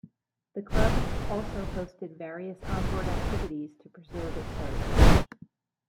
The Club also hosted various onboard activities to preserve its heritage.